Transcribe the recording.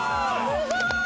すごい！